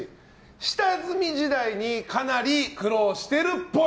下積み時代にかなり苦労してるっぽい。